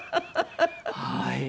はい。